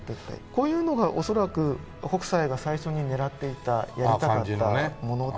こういうのが恐らく北斎が最初に狙っていたやりたかったもので。